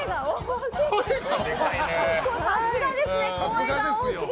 声が大きい！